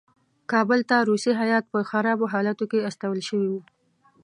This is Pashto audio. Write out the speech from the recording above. کابل ته روسي هیات په خرابو حالاتو کې استول شوی وو.